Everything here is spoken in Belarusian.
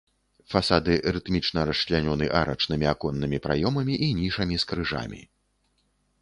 Фасады рытмічна расчлянёны арачнымі аконнымі праёмамі і нішамі з крыжамі.